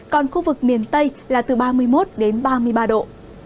còn khu vực miền tây là từ ba mươi một đến ba mươi ba độ